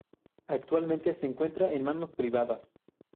Actualmente se encuentra en manos privadas.